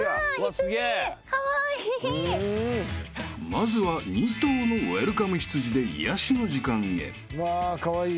［まずは２頭のウエルカム羊で癒やしの時間へ］わカワイイ。